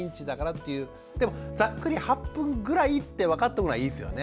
でもざっくり８分ぐらいって分かっておくのはいいですよね。